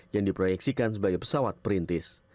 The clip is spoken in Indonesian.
yang diproyeksikan sebagai pesawat perintis